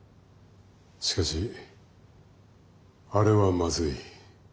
しかしあれはまずい。